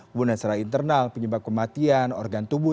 kemudian secara internal penyebab kematian organ tubuh